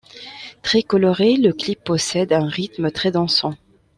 Très coloré, le clip possède un rythme très dansant.